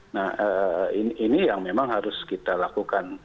nah ini yang memang harus kita lakukan